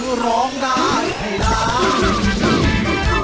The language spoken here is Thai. คือร้องได้ให้ร้าน